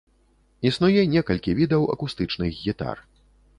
Існуе некалькі відаў акустычных гітар.